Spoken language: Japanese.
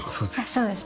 そうです。